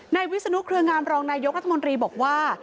วิศนุเครืองามรองนายกรัฐมนตรีบอกว่า